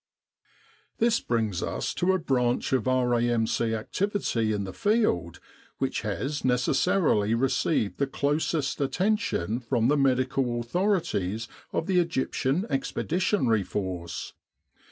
This brings us to a branch of R.A.M.C. activity in the field which has necessarily received the closest attention from the medical authorities of the Egyptian Expeditionary Force.